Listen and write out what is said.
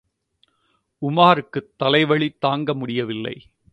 உமாருக்குத் தலைவலி தாங்க முடியவில்லை.